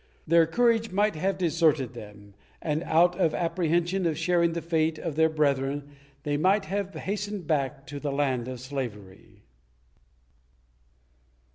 Their courage might have deserted them, and out of apprehension of sharing the fate of their brethren they might have hastened back to the land of slavery.